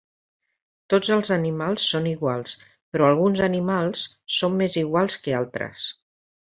Tots els animals són iguals, però alguns animals són més iguals que altres.